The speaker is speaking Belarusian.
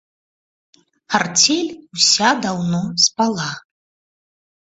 Арцель уся даўно спала.